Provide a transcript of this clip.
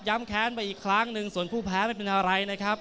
แค้นไปอีกครั้งหนึ่งส่วนผู้แพ้ไม่เป็นอะไรนะครับ